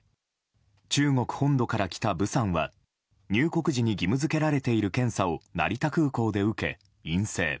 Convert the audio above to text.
中国本土から来たブさんは入国時に義務付けられている検査を成田空港で受け、陰性。